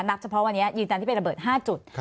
เฉพาะวันนี้ยืนยันที่เป็นระเบิด๕จุด